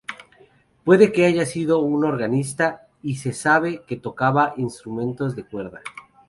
Puede que haya sido un organista, Y se sabe que tocaba instrumentos de cuerda.